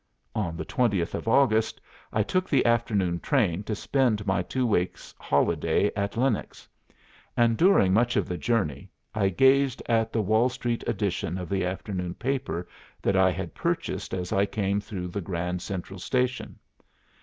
On the 20th of August I took the afternoon train to spend my two weeks' holiday at Lenox; and during much of the journey I gazed at the Wall Street edition of the afternoon paper that I had purchased as I came through the Grand Central Station.